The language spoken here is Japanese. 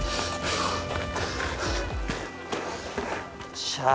っしゃー。